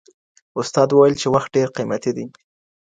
استاد وویل چي وخت ډېر قیمتي دی.